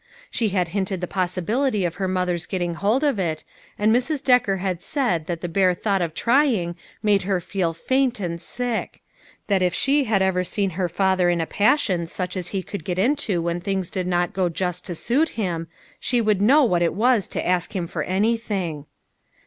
She had hinted the possibility of her mother's getting hold of it, and Mrs. Decker had said that the bare thought of trying made her feel faint and sick; that if she had ever seen her father in a passion such as he could get into when things did not go just to suit him, she would know what it was to ask him for any thing.